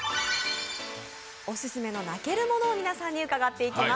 オススメの泣けるものを皆さんに伺っていきます。